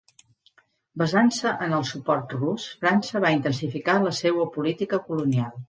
Basant-se en el suport Rus, França va intensificar la seua política colonial.